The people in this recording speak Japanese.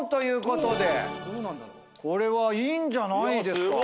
これはいいんじゃないですか？